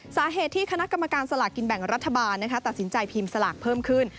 สาเหตุที่คณะกรรมการสลากกินแบ่งรัฐบาลตัดสินใจพิมพ์สลากเพิ่มขึ้น